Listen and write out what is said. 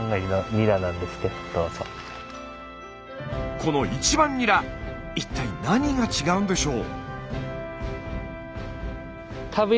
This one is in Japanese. この１番ニラ一体何が違うんでしょう？